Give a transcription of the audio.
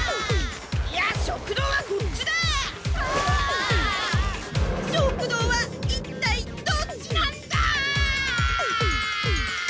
食堂は一体どっちなんだ？